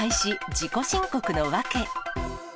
自己申告の訳。